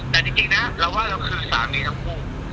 แต่จริงนะเราว่าเราคือสามีทั้งคู่